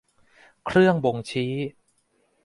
เครื่องบ่งชี้